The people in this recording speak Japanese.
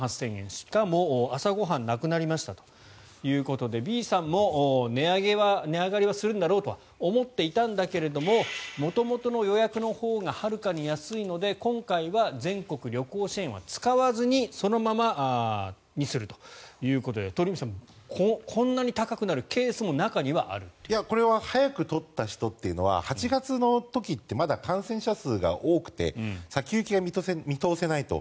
しかも朝ご飯なくなりましたということでＢさんも値上がりはするんだろうとは思っていたんだけど元々の予約のほうがはるかに安いので今回は全国旅行支援は使わずにそのままにするということで鳥海さんこんなに高くなるケースも早く取った人というのは８月の時ってまだ感染者数が多くて先行きが見通せないと。